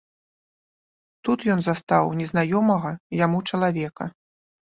Тут ён застаў незнаёмага яму чалавека.